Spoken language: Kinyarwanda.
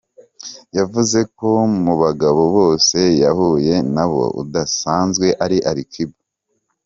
Yavuze ko mu bagabo bose yahuye na bo udasanzwe ari Alikiba.